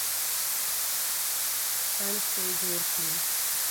سپڼسي جوړ کړي